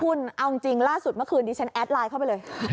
คุณเอาจริงล่าสุดเมื่อคืนนี้ฉันแอดไลน์เข้าไปเลย